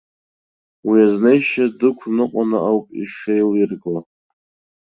Уи азнеишьа дықәныҟәаны ауп ишеилирго.